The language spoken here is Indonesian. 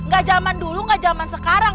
gak zaman dulu gak zaman sekarang